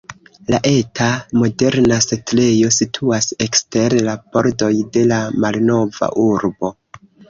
La eta, moderna setlejo situas ekster la pordoj de la malnova urbo.